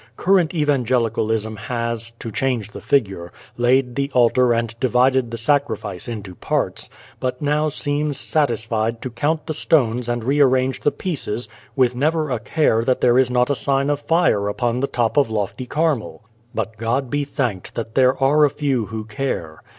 Current evangelicalism has (to change the figure) laid the altar and divided the sacrifice into parts, but now seems satisfied to count the stones and rearrange the pieces with never a care that there is not a sign of fire upon the top of lofty Carmel. But God be thanked that there are a few who care.